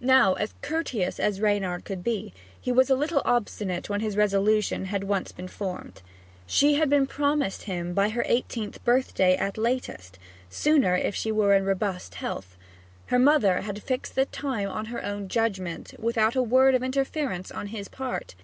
Now, courteous as Reynard could be, he was a little obstinate when his resolution had once been formed. She had been promised him by her eighteenth birthday at latest sooner if she were in robust health. Her mother had fixed the time on her own judgment, without a word of interference on his part.